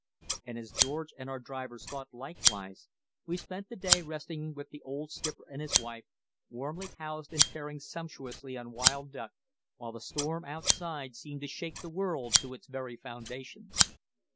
And as George and our drivers thought likewise, we spent the day resting with the old skipper and his wife, warmly housed and faring sumptuously on wild duck, while the storm outside seemed to shake the world to its very foundations.